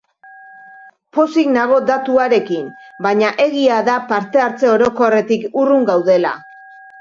Pozik nago datuarekin, baina egia da parte-hartze orokorretik urrun gaudela.